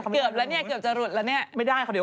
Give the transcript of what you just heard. เกือบจะหลุดแล้วเนี่ย